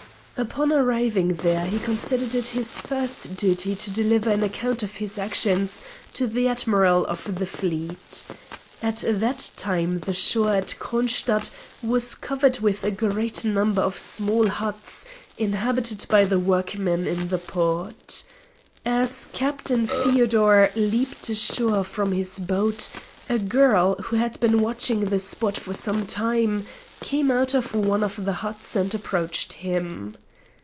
Upon arriving there he considered it his first duty to deliver an account of his actions to the Admiral of the fleet. At that time the shore at Kronstadt was covered with a great number of small huts inhabited by the workmen in the port. As Captain Feodor leaped ashore from his boat, a girl, who had been watching the spot for some time, came out of one of the huts and approached him.